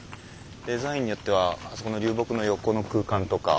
デザインによってはあそこの流木の横の空間とか。